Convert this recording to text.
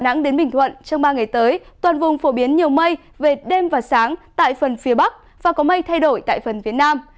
đà nẵng đến bình thuận trong ba ngày tới toàn vùng phổ biến nhiều mây về đêm và sáng tại phần phía bắc và có mây thay đổi tại phần phía nam